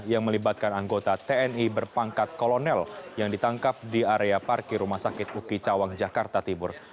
yang melibatkan anggota tni berpangkat kolonel yang ditangkap di area parkir rumah sakit uki cawang jakarta timur